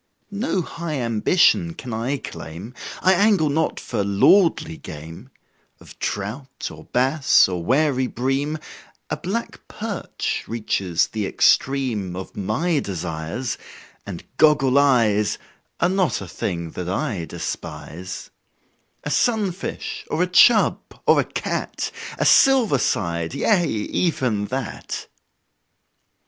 No high ambition can I claim I angle not for lordly game Of trout, or bass, or wary bream A black perch reaches the extreme Of my desires; and "goggle eyes" Are not a thing that I despise; A sunfish, or a "chub," or a "cat" A "silver side" yea, even that!